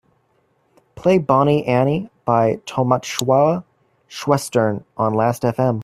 Play Bonnie Annie by Tolmatschowa-schwestern on last fm.